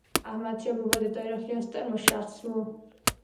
احمدشاه بابا د تاریخ یو ستر شخص و.